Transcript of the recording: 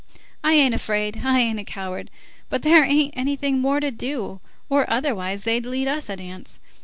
I ain't afraid, I ain't a coward, but there ain't anything more to do, or otherwise they'd lead us a dance.